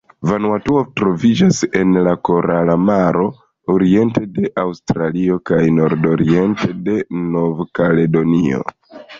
Vanuatuo troviĝas en la Korala Maro, oriente de Aŭstralio kaj nordoriente de Nov-Kaledonio.